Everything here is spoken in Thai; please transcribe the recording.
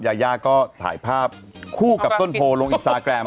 ยายาก็ถ่ายภาพคู่กับต้นโพลงอินสตาแกรม